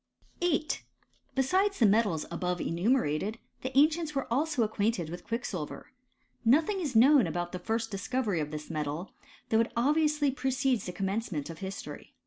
8. Besides the metals above enumerated, the an cients were also acquainted with quicksilver. Nothing is known about the first discovery of this metal ; though it obviously precedes the commencement of history.